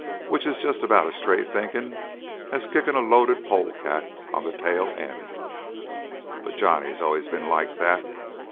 Which is jus' about as straight thinkin' as kickin' a loaded polecat on th' tail end. But Johnny's always been like that.